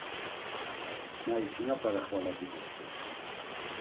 Na isinapare xvala digurt̆u.